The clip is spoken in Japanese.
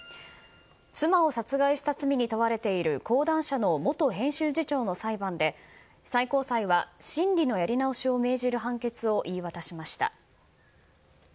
妻を殺害した罪に問われている講談社の元編集次長の裁判で最高裁は審理のやり直しを命じる判決を言い渡しました。